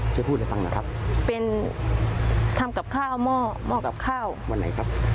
ช่วยพูดให้ฟังหน่อยครับเป็นทำกับข้าวหม้อหม้อกับข้าววันไหนครับ